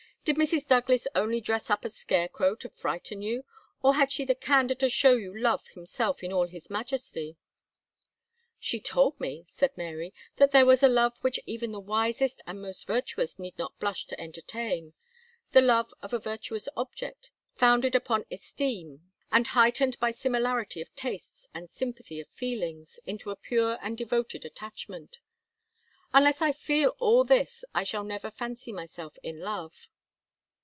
Did Mrs. Douglas only dress up a scarecrow to frighten you, or had she the candour to show you Love himself in all his majesty?" "She told me," said Mary, "that there was a love which even the wisest and most virtuous need not blush to entertain the love of a virtuous object, founded upon esteem, and heightened by similarity of tastes and sympathy of feelings, into a pure and devoted attachment: unless I feel all this, I shall never fancy myself in love."